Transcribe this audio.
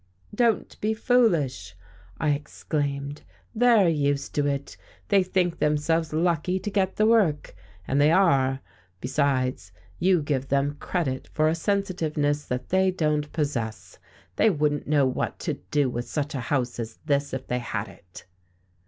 "Don't be foolish," I exclaimed. "They're used to it. They think themselves lucky to get the work and they are. Besides, you give them credit for a sensitiveness that they don't possess. They wouldn't know what to do with such a house as this if they had it."